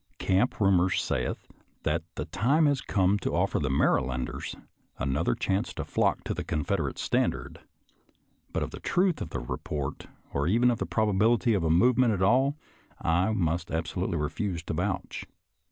Camp rumor saith that the time has come to offer the Marylanders another chance to flock to the Confederate standard, but of the truth of the report or even of the probability of a movement at all, I must absolutely refuse to vouch.